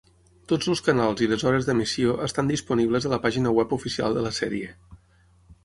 Tots els canals i les hores d"emissió estan disponibles a la pàgina web oficial de la sèrie.